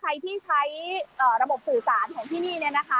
ใครที่ใช้ระบบสื่อสารของที่นี่เนี่ยนะคะ